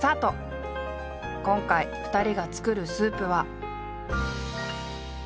今回２人が作るスープは。